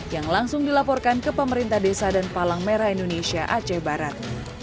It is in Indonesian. yang langsung dilaporkan ke pemerintah desa dan palang merah indonesia aceh barat